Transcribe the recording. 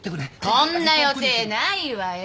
そんな予定ないわよ。